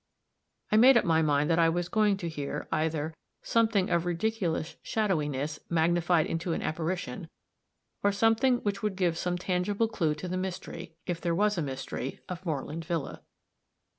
I made up my mind that I was going to hear either something of ridiculous shadowyness magnified into an apparition, or something which would give some tangible clue to the mystery, if there was a mystery, of Moreland villa.